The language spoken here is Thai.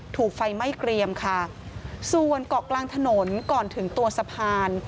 ถูกไฟไหม้เกรียมค่ะส่วนเกาะกลางถนนก่อนถึงตัวสะพาน